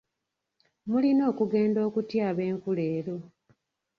Mulina okugenda okutyaba nku leero.